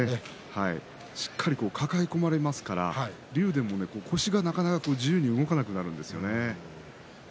しっかり抱え込まれますから竜電も腰が自由に動かなくなるんですよね。